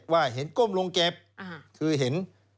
ว่าเห็นก้มลงเก็บคือเห็น